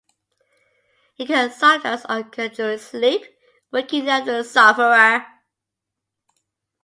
It can sometimes occur during sleep, waking up the sufferer.